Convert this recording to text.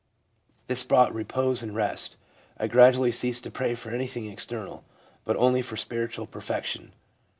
This brought repose and rest. I gradually ceased to pray for anything external, but only for spiritual perfection.